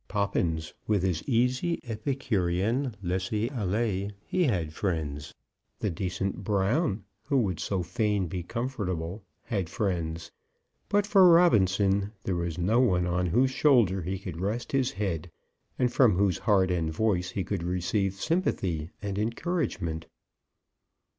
Poppins with his easy epicurean laisser aller, he had friends. The decent Brown, who would so fain be comfortable, had friends. But for Robinson, there was no one on whose shoulder he could rest his head, and from whose heart and voice he could receive sympathy and encouragement.